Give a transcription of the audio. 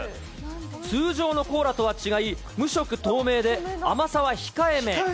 通常のコーラとは違い、無色透明で甘さは控えめ。